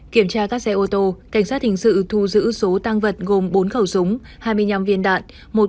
kiểm tra các xe ô tô cảnh sát hình sự thu giữ số tăng vật gồm bốn khẩu súng hai mươi năm viên đạn